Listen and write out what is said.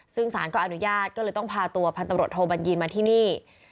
ซึ่งสารก็อนุญาตก็เลยต้องพาตัวพันตำรวจโทบัญญีนมาที่นี่